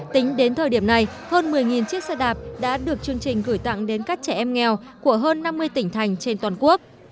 tính đến thời điểm này hơn một mươi chiếc xe đạp đã được chương trình gửi tặng đến các trẻ em nghèo của hơn năm mươi tỉnh thành trên toàn quốc